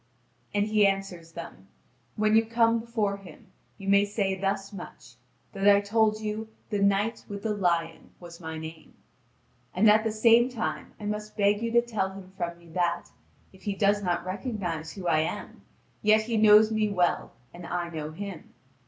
And he answers them: "When you come before him, you may say thus much: that I told you 'The Knight with the Lion' was my name. And at the same time I must beg you to tell him from me that, if he does not recognise who I am, yet he knows me well and I know him.